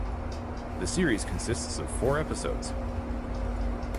The series consists of four episodes.